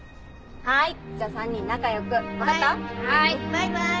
バイバイ。